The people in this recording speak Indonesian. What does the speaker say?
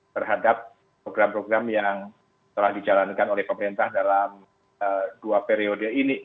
terhadap program program yang telah dijalankan oleh pemerintah dalam dua periode ini